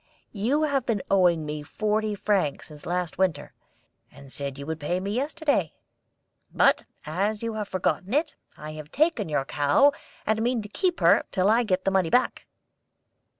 You have been owing me forty francs since last winter, and said you would pay me yesterday. But as you have forgotten it, I have taken your cow, and mean to keep her till I get the money back."